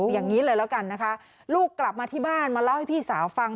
อย่างนี้เลยแล้วกันนะคะลูกกลับมาที่บ้านมาเล่าให้พี่สาวฟัง